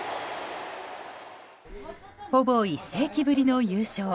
ほぼ１世紀ぶりの優勝。